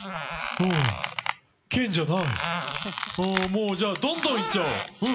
もうじゃあどんどんいっちゃおう。